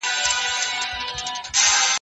پرون مي یو ښکلی شعر واورېد.